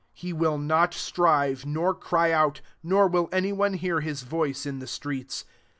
19 He wUl not strive, nor cry out ; nor will any one hear his voice in the streets.